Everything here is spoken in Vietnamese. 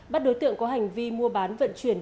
bắt đối tượng có hành vi mua bán vận chuyển